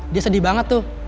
dia sedih banget tuh